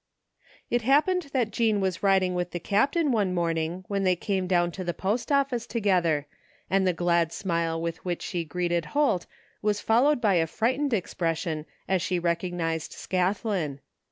It happened that Jean was riding with the Captain one morning when they came down to the post office together, and the glad smile with which she greeted Holt was followed by a frightened expression as she recognized Scathlin.